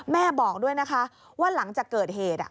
บอกด้วยนะคะว่าหลังจากเกิดเหตุ